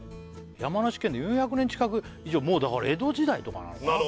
山梨県で４００年近く以上もうだから江戸時代とかなのかな